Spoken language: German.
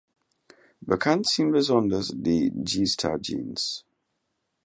Bekannt sind besonders die "G-Star Jeans".